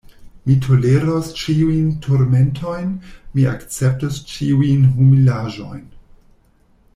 Mi toleros ĉiujn turmentojn, mi akceptos ĉiujn humilaĵojn.